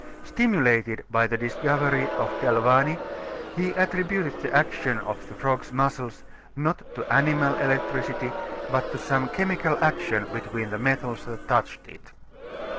Stimulated by the discovery of Galvani he attributed the action of the frog's muscles, not to animal electricity, but to some chemical action between the metals that touched it.